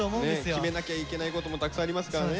決めなきゃいけないこともたくさんありますからね。